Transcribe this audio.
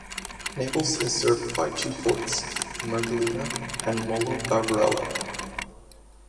Naples is served by two ports, Mergellina and Molo Beverello.